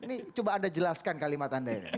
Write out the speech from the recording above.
ini coba anda jelaskan kalimat anda ini